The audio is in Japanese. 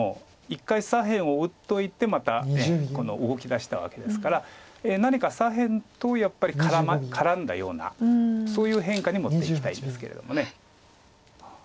一回左辺を打っといてまた動きだしたわけですから何か左辺とやっぱり絡んだようなそういう変化に持っていきたいですけれども。